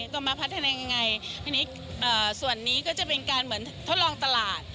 ก็มาพัฒนาอย่างไรส่วนนี้ก็จะเป็นการเหมือนทดลองตลาด